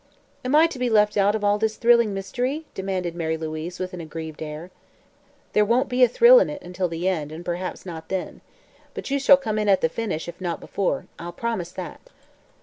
"Am I to be left out of all this thrilling mystery?" demanded Mary Louise with an aggrieved air. "There won't be a thrill in it, until the end, and perhaps not then. But you shall come in at the finish, if not before; I'll promise that."